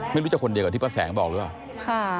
ไม่รู้จะคนเดียวกับที่ป้าแสงบอกหรือเปล่า